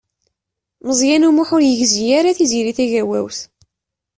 Meẓyan U Muḥ ur yegzi ara Tiziri Tagawawt.